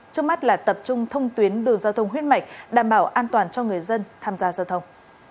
trước mắt là tập trung thông tuyến đường giao thông huyết mạch đảm bảo an toàn cho người dân tham gia giao thông